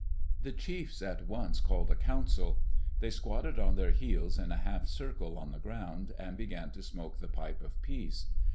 The chiefs at once called a council. They squatted on their heels in a half circle on the ground and began to smoke the pipe of peace.